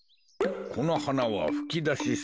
このはなはふきだし草。